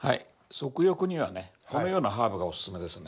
足浴にはねこのようなハーブがおすすめですね。